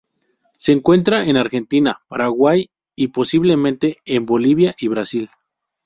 Se encuentra en Argentina, Paraguay y, posiblemente, en Bolivia y Brasil.